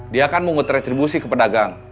dia akan memutretribusi ke pedagang